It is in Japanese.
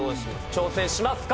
挑戦しますか？